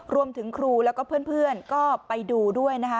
รวมถึงครูแล้วก็เพื่อนก็ไปดูด้วยนะคะ